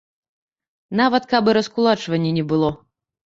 Нават каб і раскулачвання не было!